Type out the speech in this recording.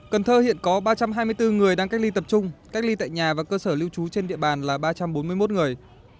cần thơ hiện có ba trăm hai mươi bốn người đang cách ly tập trung cách ly tại nhà và cơ sở lưu trú trên địa bàn là ba trăm bốn mươi một người